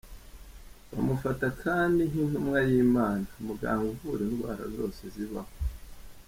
Bamufata kandi nk’Intumwa y’Imana, muganga uvura indwara zose zibaho.